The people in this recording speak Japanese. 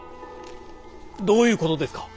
どういうことですか？